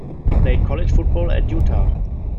He played college football at Utah.